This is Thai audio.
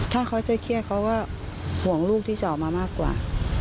ถ้าเขาจะเครียดเขาก็ห่วงลูกที่จะออกมามากกว่า